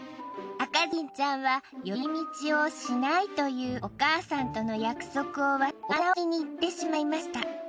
赤ずきんちゃんは寄り道をしないというお母さんとの約束を忘れてお花を摘みに行ってしまいました。